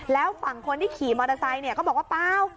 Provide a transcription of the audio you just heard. แล้วฝั่งคนที่ขี่มอเตอร์ไซค์ก็บอกว่าเปล่า